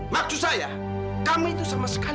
maksud saya kami itu sama sekali